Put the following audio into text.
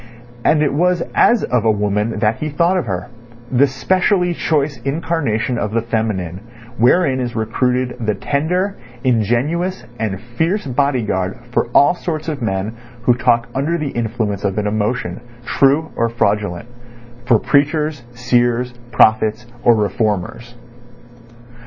And it was as of a woman that he thought of her—the specially choice incarnation of the feminine, wherein is recruited the tender, ingenuous, and fierce bodyguard for all sorts of men who talk under the influence of an emotion, true or fraudulent; for preachers, seers, prophets, or reformers.